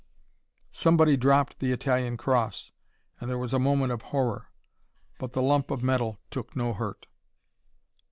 Somebody dropped the Italian cross, and there was a moment of horror. But the lump of metal took no hurt.